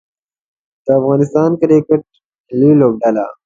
د افغانستان کرکټ ملي لوبډله